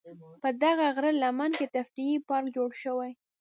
په دغه غره لمن کې تفریحي پارک جوړ شوی.